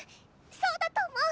そうだと思う！